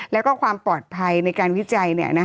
แล้วก็ความปลอดภัยในการวิจัย